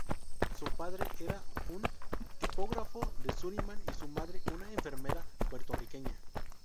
Su padre era un tipógrafo de Surinam y su madre una enfermera puertorriqueña.